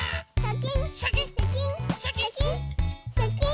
シャキン